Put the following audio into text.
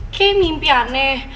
kay mimpi aneh